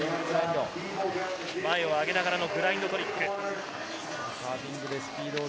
前を上げながらのグラインドトリック。